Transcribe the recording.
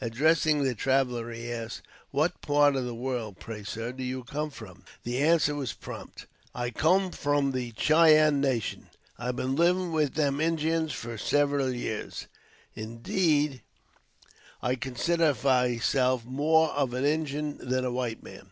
Addressing the traveler he asked, "What part of the world, pray sir, do you come from?" The answer was prompt. "I kum from the Cheyenne Nation. I've been living with them Injins fur several years. Indeed, I consider myself more of an Injin than a white man."